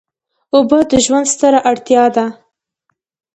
اوبه د ژوند ستره اړتیا ده.